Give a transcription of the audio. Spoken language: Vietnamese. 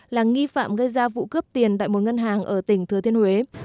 là nghi phạm gây ra vụ cướp tiền tại một ngân hàng ở tỉnh thừa thiên huế